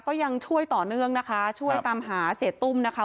ก็ยังช่วยต่อเนื่องนะคะช่วยตามหาเสียตุ้มนะคะ